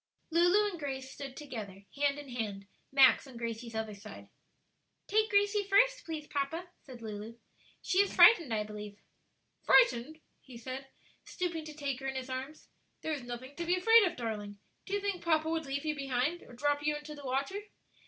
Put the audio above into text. Lulu and Grace stood together, hand in hand, Max on Gracie's other side. "Take Gracie first, please, papa," said Lulu; "she is frightened, I believe." "Frightened?" he said, stooping to take her in his arms; "there is nothing to be afraid of, darling. Do you think papa would leave you behind or drop you into the water?"